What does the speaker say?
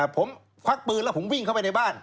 ผมควักปืนแล้วผมวิ่งเข้าไปในบ้าน